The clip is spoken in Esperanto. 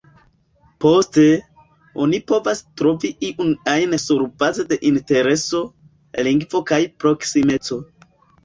Poste, oni povas trovi iun ajn surbaze de intereso, lingvo kaj proksimeco.